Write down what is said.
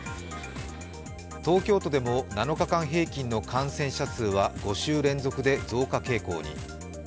東京都でも７日間平均の感染者数は５週連続で増加傾向に。